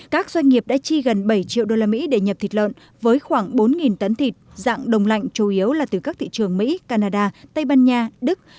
các doanh nghiệp đã chi gần bảy triệu usd để nhập thịt lợn với khoảng bốn tấn thịt dạng đồng lạnh chủ yếu là từ các thị trường mỹ canada tây ban nha đức